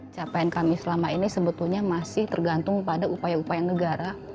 capaian kami selama ini sebetulnya masih tergantung pada upaya upaya negara